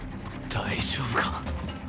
大丈夫か。